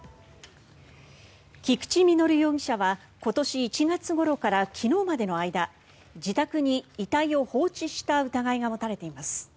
菊地稔容疑者は今年１月ごろから昨日までの間自宅に遺体を放置した疑いが持たれています。